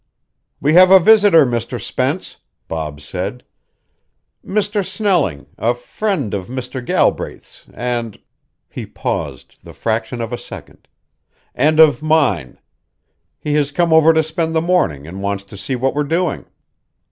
"We have a visitor, Mr. Spence," Bob said. "Mr. Snelling, a friend of Mr. Galbraith's and " he paused the fraction of a second, "and of mine. He has come over to spend the morning and wants to see what we're doing."